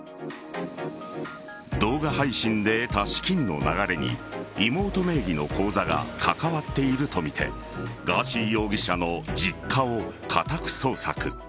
動画配信で得た資金の流れに妹名義の口座が関わっているとみてガーシー容疑者の実家を家宅捜索。